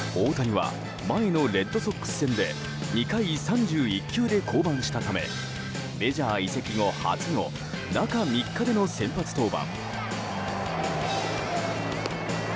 大谷は前のレッドソックス戦で２回３１球で降板したためメジャー移籍後初の中３日での先発登板。